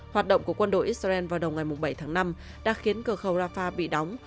hoạt động của quân đội israel vào đầu ngày bảy tháng năm đã khiến cửa khẩu rafah bị đóng